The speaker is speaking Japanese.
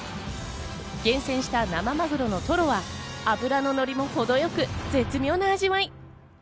厳選した生マグロのトロは脂のノリもほどよく絶妙な味わい。